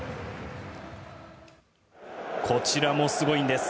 こちらもすごいんです。